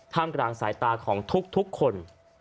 กลางสายตาของทุกคน